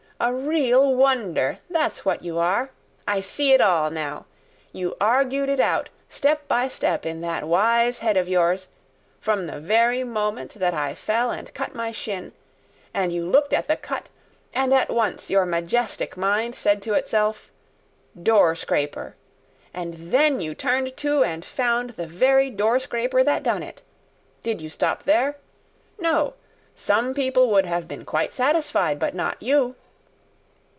A real wonder, that's what you are. I see it all now! You argued it out, step by step, in that wise head of yours, from the very moment that I fell and cut my shin, and you looked at the cut, and at once your majestic mind said to itself, 'Door scraper!' And then you turned to and found the very door scraper that done it! Did you stop there? No. Some people would have been quite satisfied; but not you.